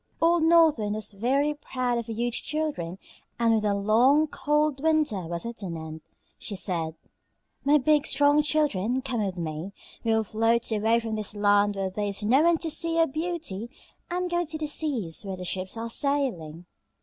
Old North Wind was very proud of her huge children, and when the long, cold winter was at an end she said: "My big, strong children, come with me. We will float away from this land where there is no one to see your beauty and go to the seas where the ships are sailing.